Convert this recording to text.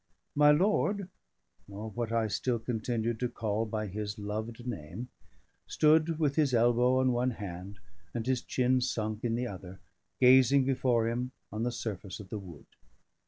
My lord (or what I still continued to call by his loved name) stood with his elbow in one hand, and his chin sunk in the other, gazing before him on the surface of the wood.